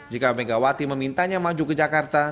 jika megawati memintanya maju ke jakarta